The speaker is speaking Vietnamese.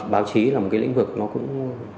báo chí là một cái lĩnh vực nó cũng